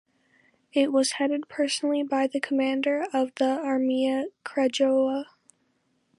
It was headed personally by the commander of the Armia Krajowa.